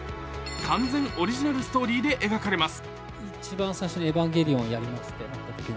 完全オリジナルストーリーで描かれます。